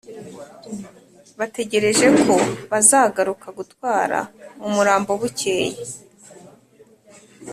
bategerejeko bzagaruka gutwara umurambo bukeye.